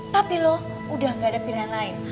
papi lo udah gak ada pilihan lain